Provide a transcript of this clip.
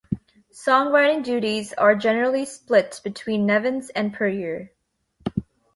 Songwriting duties are generally split between Nevins and Puryear.